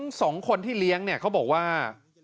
สองคนที่เลี้ยงเนี่ยเขาบอกว่า